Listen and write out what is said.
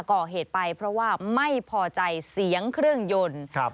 ก่อเหตุไปเพราะว่าไม่พอใจเสียงเครื่องยนต์ครับ